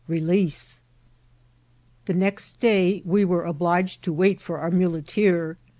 — Releaae« The next day we were obliged to wait for our mule* teer.